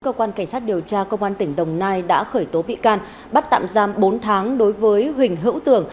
cơ quan cảnh sát điều tra công an tỉnh đồng nai đã khởi tố bị can bắt tạm giam bốn tháng đối với huỳnh hữu tường